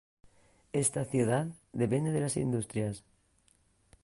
Esta ciudad depende de las industrias.